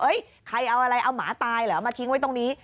ใครเอาอะไรเอาหมาตายเหรอมาทิ้งไว้ตรงนี้